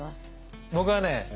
僕はね